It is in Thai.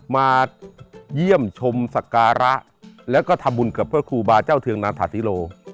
มาเยี่ยมชมสการะและก็ทำบุญกับเพื่อกุลบาร์เจ้าเทวโหนานทาสิโร